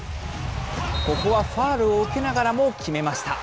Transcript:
ここはファウルを受けながらも決めました。